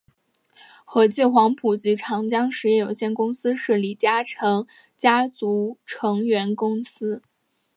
和记黄埔及长江实业有限公司是李嘉诚家族成员公司。